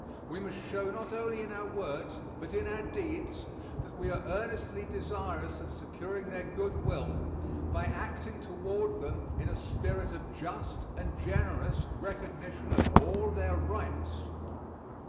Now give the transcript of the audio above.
We must show not only in our words but in our deeds that we are earnestly desirous of securing their good will by acting toward them in a spirit of just and generous recognition of all their rights.